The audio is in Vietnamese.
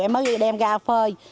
em mới đem ra phơi